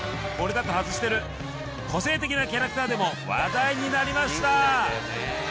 俺だと外してる個性的なキャラクターでも話題になりました